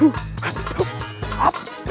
hup hap hap